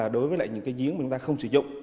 đối với lại những cái giếng mà chúng ta không sử dụng